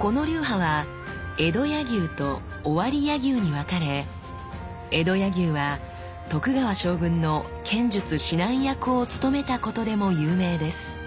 この流派は江戸柳生と尾張柳生に分かれ江戸柳生は徳川将軍の剣術指南役を務めたことでも有名です。